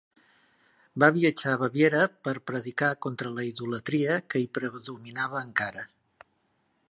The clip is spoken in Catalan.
Va viatjar a Baviera per predicar contra la idolatria que hi predominava encara.